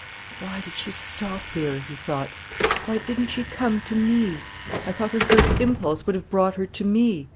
"Why did she stop here?" he thought; "why didn't she come to me? I thought her first impulse would have brought her to me.